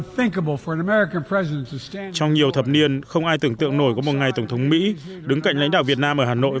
trong nhiều thập niên không ai tưởng tượng nổi có một ngày tổng thống mỹ đứng cạnh lãnh đạo việt nam ở hà nội